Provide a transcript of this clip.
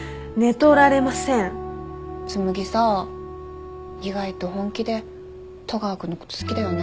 紬さ意外と本気で戸川君のこと好きだよね。